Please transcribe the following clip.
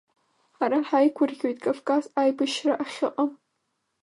Ҳара ҳаигәырӷьоит Кавказ аибашьра ахьыҟам.